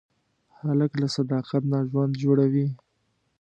هلک له صداقت نه ژوند جوړوي.